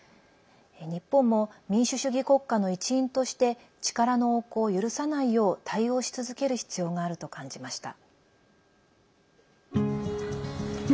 日本も民主主義国家の一員として力の横行を許さないよう対応し続ける必要があると感じました。